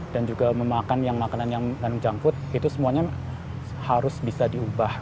dan juga memakan yang makanan yang junk food itu semuanya harus bisa diubah